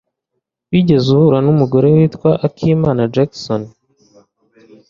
Wigeze uhura numusore witwa akimana Jackson?